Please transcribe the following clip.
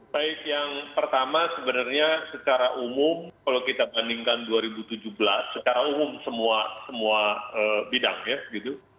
baik yang pertama sebenarnya secara umum kalau kita bandingkan dua ribu tujuh belas secara umum semua bidang ya gitu